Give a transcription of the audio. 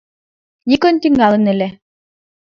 Никон тӱҥалын ыле.